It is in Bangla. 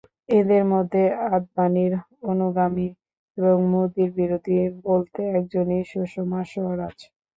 এঁদের মধ্যে আদভানির অনুগামী এবং মোদির বিরোধী বলতে একজনই, সুষমা স্বরাজ।